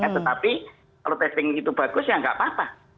tetapi kalau testing itu bagus ya nggak apa apa